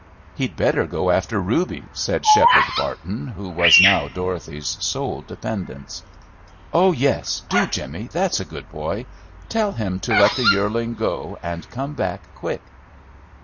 "He'd better go after Reuby," said Sheppard Barton, who was now Dorothy's sole dependence. "Oh yes, do, Jimmy, that's a good boy. Tell him to let the yearling go and come back quick."